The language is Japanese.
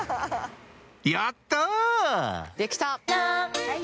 やった！